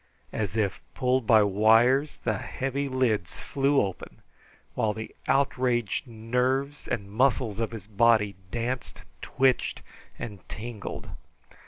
As if pulled by wires, the heavy lids flew open, while the outraged nerves and muscles of his body danced, twitched, and tingled.